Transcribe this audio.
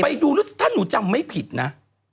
ไปดูถ้าหนูจำไม่ผิดนะ